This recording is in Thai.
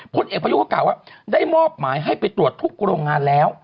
ผลเอกประยุทธ์ก็กล่าวว่าได้มอบหมายให้ไปตรวจทุกโรงงานแล้ว